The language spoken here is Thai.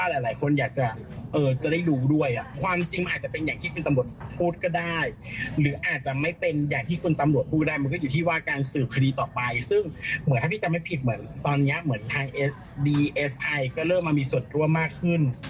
อัศวินัยดีเอสไอเริ่มมีส่วนทั่วมากขึ้น